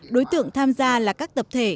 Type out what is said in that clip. đối tượng tham gia là các tập thể